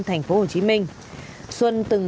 thành phố hồ chí minh xuân từng